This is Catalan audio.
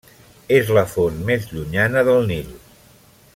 És la font més llunyana del Nil.